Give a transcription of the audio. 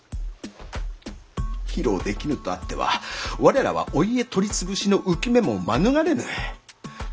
披露できぬとあっては我らはお家取り潰しの憂き目も免れぬ。